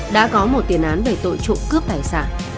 đã có một tiền án về tội trộm cướp tài sản